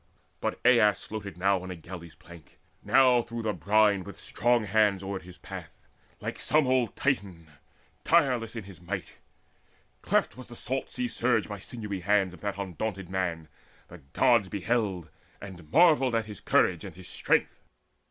But Aias floated now on a galley's plank, Now through the brine with strong hands oared his path, Like some old Titan in his tireless might. Cleft was the salt sea surge by the sinewy hands Of that undaunted man: the Gods beheld And marvelled at his courage and his strength.